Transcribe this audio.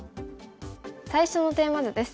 最初のテーマ図です。